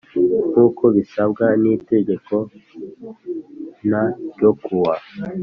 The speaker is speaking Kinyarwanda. Nkuko bisabwa n itegeko N ryo kuwa